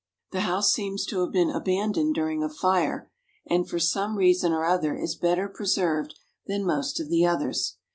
The house seems to have been abandoned during a fire, and for some reason or other is better preserved than most of the others.